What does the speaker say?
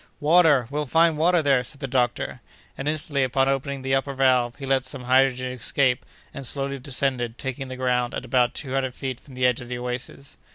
"Water! we'll find water there!" said the doctor. And, instantly, opening the upper valve, he let some hydrogen escape, and slowly descended, taking the ground at about two hundred feet from the edge of the oasis.